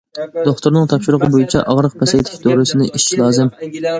دوختۇرنىڭ تاپشۇرۇقى بويىچە ئاغرىق پەسەيتىش دورىسىنى ئىچىش لازىم.